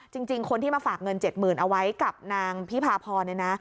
จริงคนที่มาฝากเงิน๗๐๐เอาไว้กับนางพิพาพรเนี่ยนะ